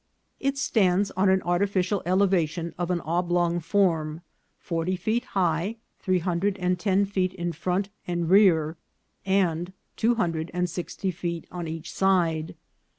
It stands on an arti ficial elevation of an oblong form, forty feet high, three hundred and ten feet in front and rear, and two hun dred and sixty feet on each side.